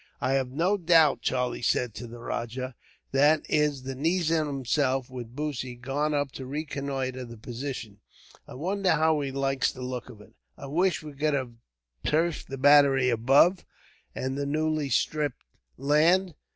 "I have no doubt," Charlie said to the rajah, "that is the nizam himself, with Bussy, gone up to reconnoitre the position. I wonder how he likes the look of it. I wish we could have turfed the battery above, and the newly stripped land.